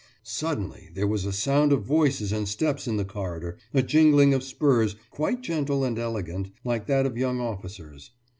Suddenly there was a sound of voices and steps in the corridor, a jingling of spurs, quite gentle and elegant, like that of young officers.